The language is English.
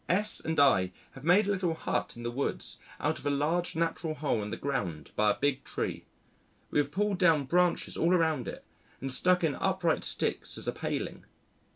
S and I have made a little hut in the woods out of a large natural hole in the ground by a big tree. We have pulled down branches all around it and stuck in upright sticks as a paling.